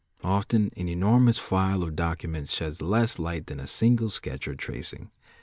Often an enormous file of documents sheds less light than a single sketch or tracing.